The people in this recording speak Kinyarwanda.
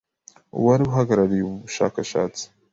Uwari uhagarariye ubu bushakashatsi,